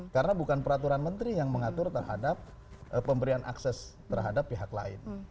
karena bukan peraturan menteri yang mengatur terhadap pemberian akses terhadap pihak lain